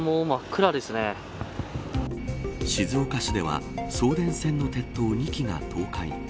静岡市では送電線の鉄塔２基が倒壊。